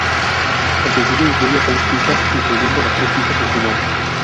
El sencillo incluye seis pistas, incluyendo las tres pistas originales.